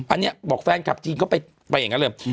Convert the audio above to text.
อันนี้บอกแฟนคลับจีนก็ไปอย่างนั้นเลย